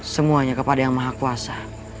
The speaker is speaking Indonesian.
semuanya kepada yang maha kuasa